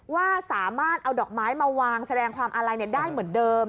ว่าสามารถเอาดอกไม้มาวางแสดงความอาลัยได้เหมือนเดิม